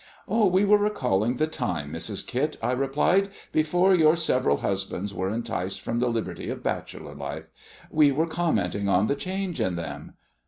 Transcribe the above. "We were recalling the time, Mrs. Kit," I replied, "before your several husbands were enticed from the liberty of bachelor life; we were commenting on the change in them."